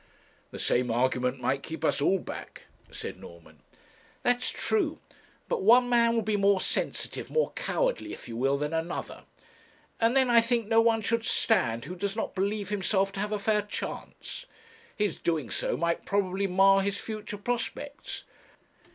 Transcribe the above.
'The same argument might keep us all back,' said Norman. 'That's true; but one man will be more sensitive, more cowardly, if you will, than another; and then I think no one should stand who does not believe himself to have a fair chance. His doing so might probably mar his future prospects.